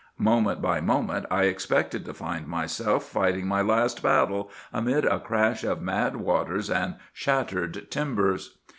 Moment by moment I expected to find myself fighting my last battle amid a crash of mad waters and shattered timbers.